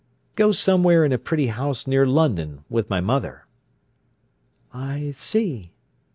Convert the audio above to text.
"Go somewhere in a pretty house near London with my mother." "I see."